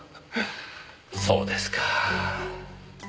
そうですか。